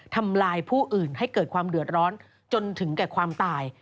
ทำลายผู้อื่นให้เกิดความเดือดร้อนจนถึงแก่ความตาย